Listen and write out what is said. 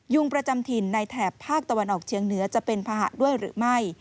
งประจำถิ่นในแถบภาคตะวันออกเชียงเหนือจะเป็นภาหะด้วยหรือไม่